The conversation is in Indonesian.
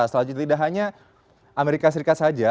selanjutnya tidak hanya amerika serikat saja